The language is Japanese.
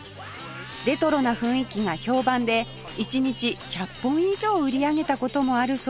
レトロな雰囲気が評判で１日１００本以上売り上げた事もあるそうです